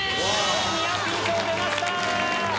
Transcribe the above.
ニアピン賞出ました！